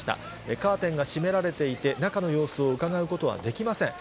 カーテンが閉められていて、中の様子をうかがうことはできません。